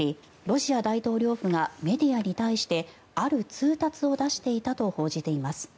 ロシア大統領府がメディアに対してある通達を出していたと報じています。